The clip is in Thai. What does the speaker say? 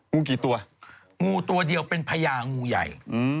โมวตัวเดียวเป็นพระยางูใหญ่